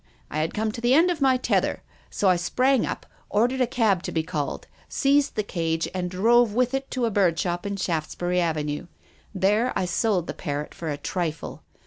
I had come to the end of my tether ; so I sprang up, ordered a cab to be called, seized the cage and drove with it to a bird shop in Shaftesbury Avenue. There I sold the parrot for a trifle.